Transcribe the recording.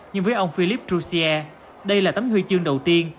nhưng với ông philippe jouzier đây là tấm huy chương đầu tiên